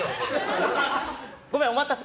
ごめん、お待たせ！